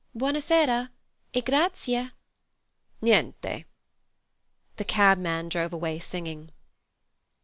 "Buona sera—e grazie." "Niente." The cabman drove away singing.